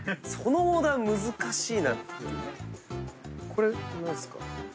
これ何すか？